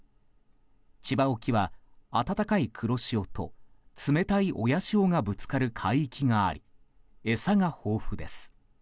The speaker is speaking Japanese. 千葉沖は暖かい黒潮と冷たい親潮がぶつかる海域があり餌が豊富です。